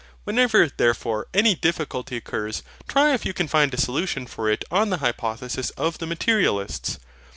Whenever, therefore, any difficulty occurs, try if you can find a solution for it on the hypothesis of the MATERIALISTS.